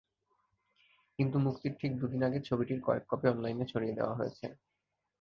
কিন্তু মুক্তির ঠিক দুদিন আগে ছবিটির কয়েকটি কপি অনলাইনে ছড়িয়ে দেওয়া হয়েছে।